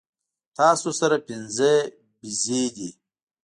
تاسو سره پنځۀ بيزې دي